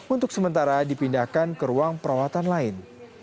untuk sementara dipindahkan ke ruang perawatan lain